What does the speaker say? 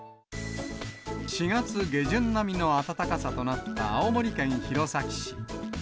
４月下旬並みの暖かさとなった青森県弘前市。